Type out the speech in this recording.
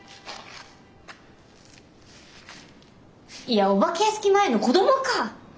いやお化け屋敷前の子どもか！